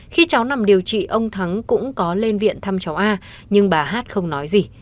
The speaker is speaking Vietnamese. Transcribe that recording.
khi cháu nằm điều trị ông thắng cũng có lên viện thăm cháu a nhưng bà hát không nói gì